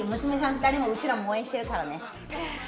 ２人も、うちらも応援してるからね、ＩＯ！